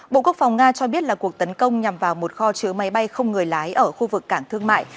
bộ quốc phòng nga cho biết là cuộc tấn công nhằm vào một kho chứa máy bay không người lái ở khu vực cảng thương mại